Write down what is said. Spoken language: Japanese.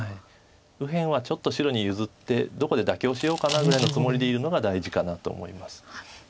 右辺はちょっと白に譲ってどこで妥協しようかなぐらいのつもりでいるのが大事かなと思います。